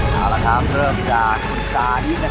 เอาล่ะค่ะเพิ่มจากคุณซานินะครับ